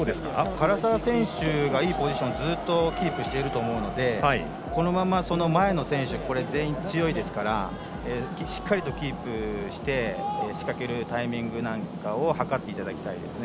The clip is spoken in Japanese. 唐澤選手がいいポジションをずっとキープしていると思うので前の選手、全員強いですからしっかりキープして仕掛けるタイミングなんかを計っていただきたいですね。